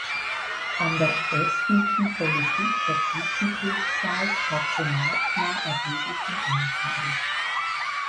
An der estnischen Politik der Zwischenkriegszeit hatte Martna erheblichen Anteil.